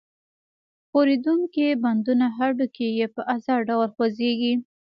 ښورېدونکي بندونه هډوکي یې په آزاد ډول خوځېږي.